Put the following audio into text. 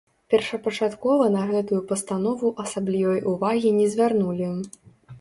Першапачаткова на гэтую пастанову асаблівай увагі не звярнулі.